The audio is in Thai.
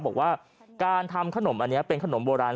บอกว่าการทำขนมอันนี้เป็นขนมโบราณ